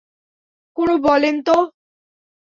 কেনো বলেন তো।